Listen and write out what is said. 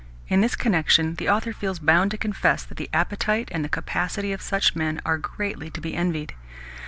In this connection the author feels bound to confess that the appetite and the capacity of such men are greatly to be envied.